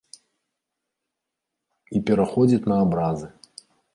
І пераходзіць на абразы.